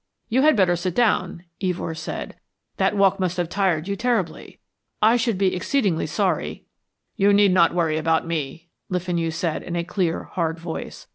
"You had better sit down," Evors said. "That walk must have tired you terribly. I should be exceedingly sorry " "You need not worry about me," Le Fenu said in a clear, hard voice.